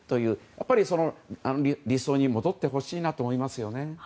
やっぱり理想に戻ってほしいなと思います。